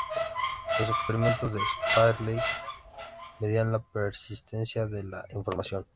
Los experimentos de Sperling medían la persistencia de la información.